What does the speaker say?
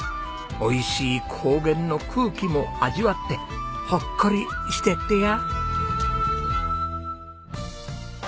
おいしい高原の空気も味わってほっこりしてってや！